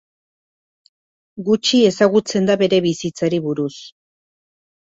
Gutxi ezagutzen da bere bizitzari buruz.